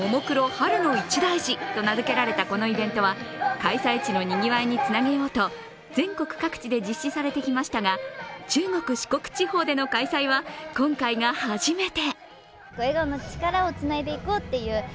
春の一大事と名付けられたこのイベントは開催地のにぎわいにつなげようと、全国各地で実施されてきましたが、中国・四国地方での開催は今回が初めて。